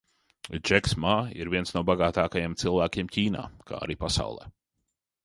Džeks Ma ir viens no bagātākajiem cilvēkiem Ķīnā, kā arī pasaulē.